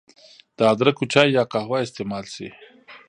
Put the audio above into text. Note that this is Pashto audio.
د ادرکو چای يا قهوه استعمال شي